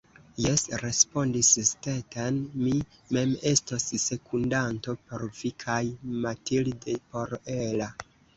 Jes, respondis Stetten, mi mem estos sekundanto por vi, kaj Mathilde por Ella.